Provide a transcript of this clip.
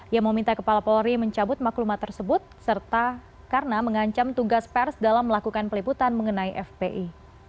ia meminta kepala polri mencabut maklumat tersebut serta karena mengancam tugas pers dalam melakukan peliputan mengenai fpi